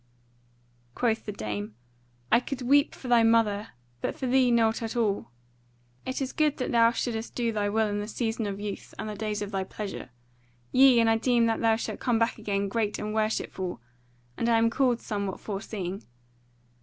Quoth the dame: "I could weep for thy mother; but for thee nought at all. It is good that thou shouldest do thy will in the season of youth and the days of thy pleasure. Yea, and I deem that thou shalt come back again great and worshipful; and I am called somewhat foreseeing.